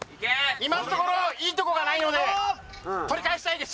今のところいいとこがないので取り返したいです